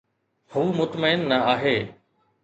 هو مطمئن نه آهي